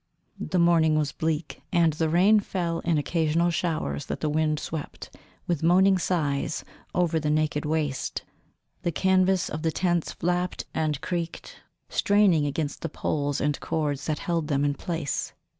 The morning was bleak, and the rain fell in occasional showers that the wind swept, with moaning sighs, over the naked waste. The canvas of the tents flapped and creaked, straining against the poles and cords that held them in place.